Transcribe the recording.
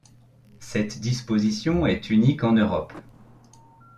Cette disposition est unique en Europe.